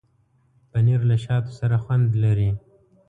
پنېر له شاتو سره خوند لري.